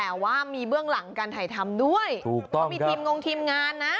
แต่ว่ามีเบื้องหลังการถ่ายทำด้วยถูกต้องเขามีทีมงงทีมงานนะ